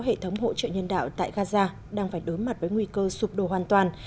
hệ thống hỗ trợ nhân đạo tại gaza đang phải đối mặt với nguy cơ sụp đổ hoàn toàn